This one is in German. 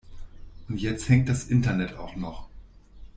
Und jetzt hängt das Internet auch noch.